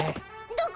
どこ？